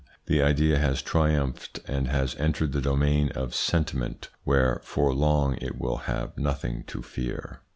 The idea has triumphed and has entered the domain of sentiment where for long it will have nothing to fear.